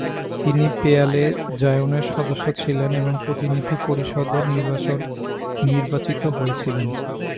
তিনি পোয়ালে জায়নের সদস্য ছিলেন এবং প্রতিনিধি পরিষদে নির্বাচিত হয়েছিলেন।